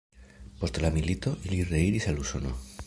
Post la milito ili reiris al Usono.